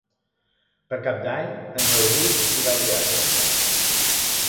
Per Cap d'Any en Rauric irà al teatre.